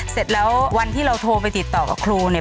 เสร็จแล้ววันที่เราโทรไปติดต่อกับครูเนี่ย